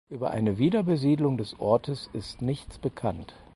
Über eine Wiederbesiedelung des Ortes ist nichts bekannt.